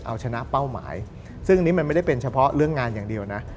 เอาชนะเป้าหมายซึ่งอันนี้มันไม่ได้เป็นเฉพาะเรื่องงานอย่างเดียวนะ